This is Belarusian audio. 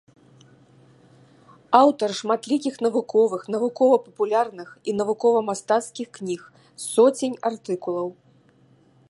Аўтар шматлікіх навуковых, навукова-папулярных і навукова-мастацкіх кніг, соцень артыкулаў.